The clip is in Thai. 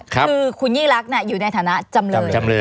คือคุณยิ่งรักอยู่ในฐานะจำเลย